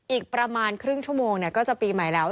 อีกประมาณครึ่งชั่วโมงก็จะปีใหม่แล้ว